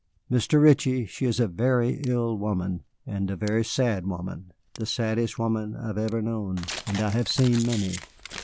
Mr. Ritchie, she is a very ill woman and a very sad woman, the saddest woman I have ever known, and I have seen many."